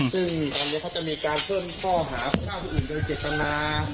ซึ่งตอนนี้เขาจะมีการเพิ่มเฝ้าที่อื่นในเจตนา